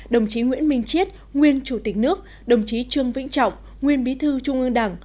đồng chí nguyễn minh chiết nguyên chủ tịch nước đồng chí trương vĩnh trọng nguyên bí thư trung ương đảng